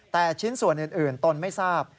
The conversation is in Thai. แต่ชิ้นส่วนอื่นตนไม่ทราบ